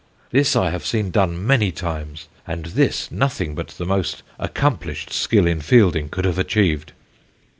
This I have seen done many times, and this nothing but the most accomplished skill in fielding could have achieved....